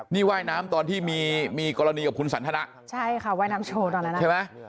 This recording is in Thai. นี่ว่ายน้ำตอนที่มีมีกรณีกับคุณสันทนะใช่ค่ะว่ายน้ำโชว์ตอนนั้นนะใช่ไหม